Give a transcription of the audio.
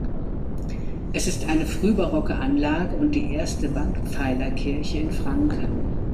Es ist eine frühbarocke Anlage und die erste Wandpfeilerkirche in Franken.